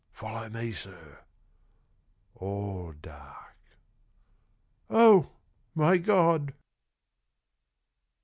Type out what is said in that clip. Follow me, sir. All dark. Oh! my God!